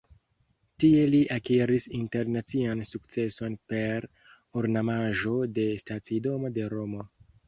Tie li akiris internacian sukceson per ornamaĵo de stacidomo de Romo.